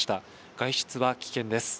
外出は危険です。